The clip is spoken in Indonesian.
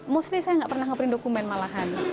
mostly saya nggak pernah ngeprint dokumen malahan